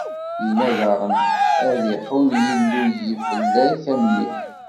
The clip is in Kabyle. Inna daɣen: Ad iḥunn Yillu fell-ak, a mmi!